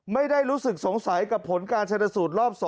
ไม่ได้รู้สึกสงสัยกับผลการชนสูตรรอบ๒